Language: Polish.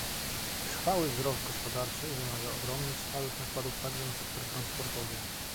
Trwały wzrost gospodarczy wymaga ogromnych, stałych nakładów także na sektor transportowy